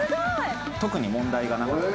・特に問題がなかった。